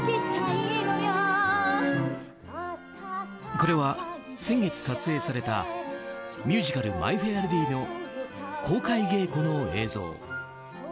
これは先月撮影されたミュージカル「マイ・フェア・レディ」の公開稽古の映像。